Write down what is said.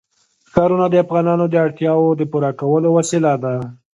ښارونه د افغانانو د اړتیاوو د پوره کولو وسیله ده.